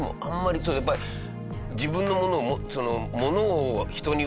そうやっぱり自分のものをその。